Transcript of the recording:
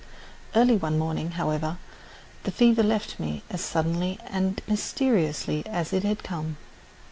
Early one morning, however, the fever left me as suddenly and mysteriously as it had come.